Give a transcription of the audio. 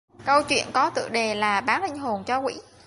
Câu chuyện có tựa đề là bán linh hồn cho quỷ